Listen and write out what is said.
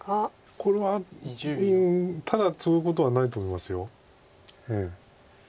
これはただツグことはないと思います。